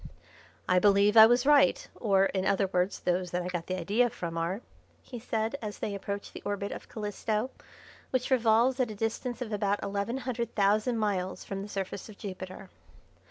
"I believe I was right, or, in other words, those that I got the idea from are," he said, as they approached the orbit of Calisto, which revolves at a distance of about eleven hundred thousand miles from the surface of Jupiter.